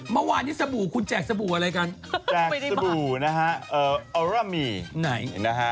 เมื่อว่างที่ซะโบ๊ห์คุณแจกซะโบ๊ห์อะไรกัน